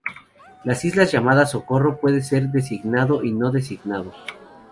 Las llamadas de socorro puede ser designado y no designado.